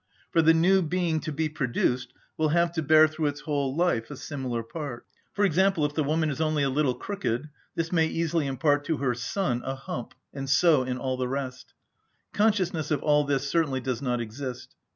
For the new being to be produced will have to bear through its whole life a similar part. For example, if the woman is only a little crooked, this may easily impart to her son a hump, and so in all the rest. Consciousness of all this certainly does not exist.